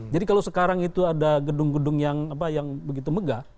jadi kalau sekarang itu ada gedung gedung yang begitu megah